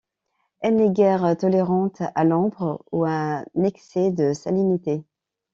Elle n'est guère tolérante à l'ombre ou à un excès de salinité.